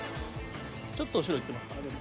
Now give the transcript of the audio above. ちょっと後ろ行ってますかでも。